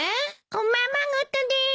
おままごとです。